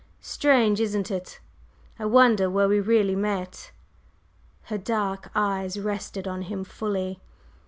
Strange, isn't it? I wonder where we really met?" Her dark eyes rested on him fully.